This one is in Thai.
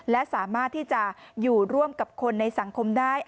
และสามารถที่จะอยู่ร่วมกับคนในสังคมได้